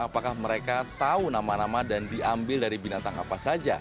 apakah mereka tahu nama nama dan diambil dari binatang apa saja